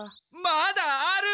まだある！